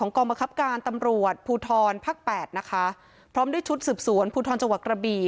ของกองบังคับการณ์ตำรวจภูทรภักดิ์๘นะคะพร้อมด้วยชุดสืบสวนภูทรเจาะกระบี